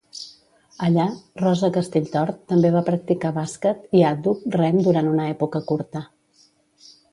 Allà, Rosa Castelltort també va practicar bàsquet i àdhuc rem durant una època curta.